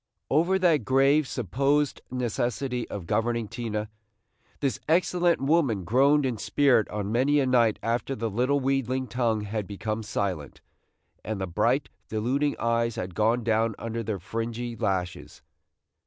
Over that grave supposed necessity of governing Tina, this excellent woman groaned in spirit on many a night after the little wheedling tongue had become silent, and the bright, deluding eyes had gone down under their fringy lashes.